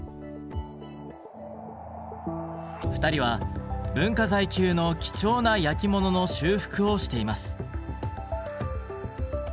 ２人は文化財級の貴重な焼き物の修復をしています。